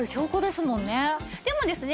でもですね